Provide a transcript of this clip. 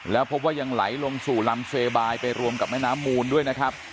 แล้วพบว่ายังไหลลงสู่ลำเซบายไปรวมกับแม่น้ำมูลด้วยนะครับ